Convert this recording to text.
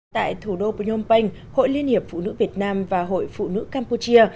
tại thủ đô phnom penh hội liên hiệp phụ nữ việt nam và hội phụ nữ campuchia